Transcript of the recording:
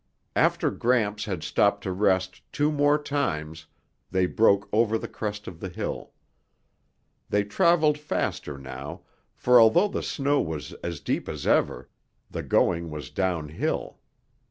After Gramps had stopped to rest two more times, they broke over the crest of the hill. They traveled faster now, for although the snow was as deep as ever, the going was downhill.